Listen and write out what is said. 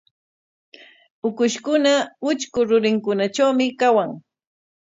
Ukushkuna utrku rurinkunatrawmi kawan.